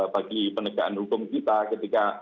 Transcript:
bagi penegakan hukum kita ketika